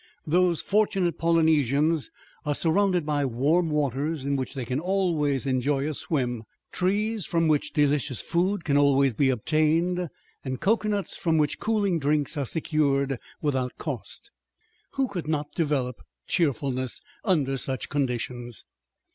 Those fortunate Polynesians are surrounded by warm waters in which they can always enjoy a swim, trees from which delicious food can always be obtained, and cocoanuts from which cooling drinks are secured without cost. Who could not develop cheerfulness under such conditions?